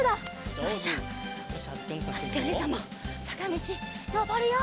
よしじゃああづきおねえさんもさかみちのぼるよ！